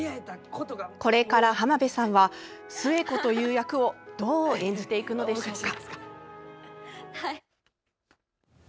これから浜辺さんは寿恵子という役をどう演じていくのでしょうか。